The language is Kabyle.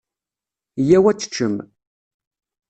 Yya-w ad teččem.